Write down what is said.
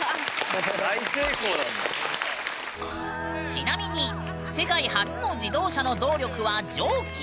ちなみに世界初の自動車の動力は蒸気！